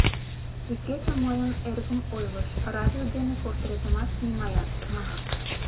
Икече мыйын эргым ойлыш: радио дене портретымат снимаят, манеш...